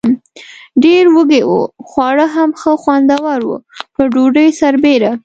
ډېر وږي و، خواړه هم ښه خوندور و، پر ډوډۍ سربېره.